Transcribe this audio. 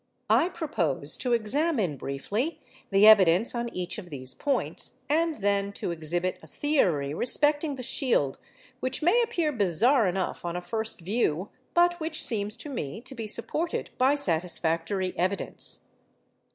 I propose to examine, briefly, the evidence on each of these points, and then to exhibit a theory respecting the shield which may appear bizarre enough on a first view, but which seems to me to be supported by satisfactory evidence.